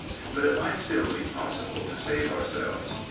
But it might still be possible to save ourselves.